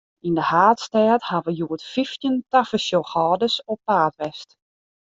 Yn de haadstêd hawwe hjoed fyftjin tafersjochhâlders op paad west.